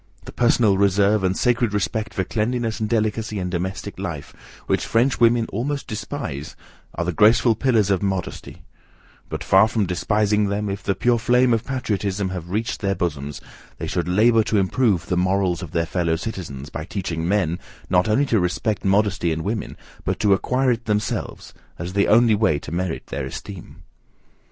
The personal reserve, and sacred respect for cleanliness and delicacy in domestic life, which French women almost despise, are the graceful pillars of modesty; but, far from despising them, if the pure flame of patriotism have reached their bosoms, they should labour to improve the morals of their fellow citizens, by teaching men, not only to respect modesty in women, but to acquire it themselves, as the only way to merit their esteem.